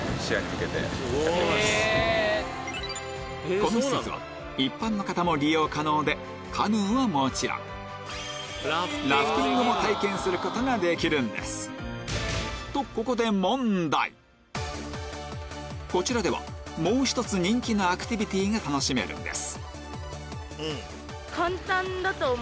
この施設はカヌーはもちろんラフティングも体験することができるんですとここでこちらではもう一つ人気のアクティビティーが楽しめるんです